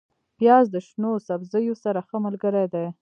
پیاز د شنو سبزیو سره ښه ملګری دی